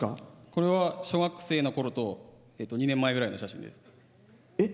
これは小学生のころと２年前ぐらいの写真です。